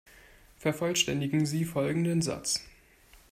Vervollständigen Sie folgenden Satz.